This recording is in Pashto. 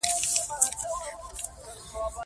کله به رخصتي راشي او د کوم ولایت هوا به خوند کړم.